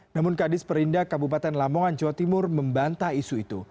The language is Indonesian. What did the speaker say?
namun kadis perindak kabupaten lamongan jawa timur membantah isu itu